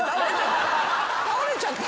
倒れちゃった。